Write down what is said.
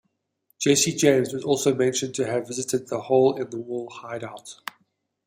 Jesse James was also mentioned to have visited the Hole-in-the-Wall hideout.